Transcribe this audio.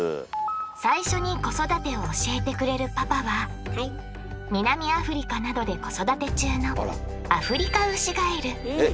最初に子育てを教えてくれるパパは南アフリカなどで子育て中のえっ？